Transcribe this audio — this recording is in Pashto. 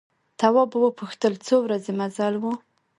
تواب وپوښتل څو ورځې مزل و.